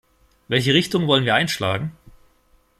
Welche Richtung wollen wir einschlagen?